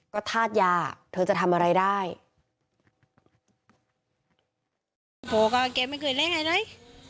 ก็ทาดยาเธอจะทำอะไรได้